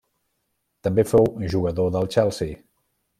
També fou jugador del Chelsea.